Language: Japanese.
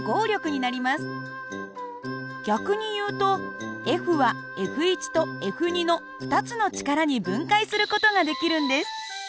逆に言うとＦはＦとＦの２つの力に分解する事ができるんです。